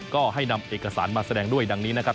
ก็ให้นำเอกสารมาแสดงด้วยดังนี้นะครับ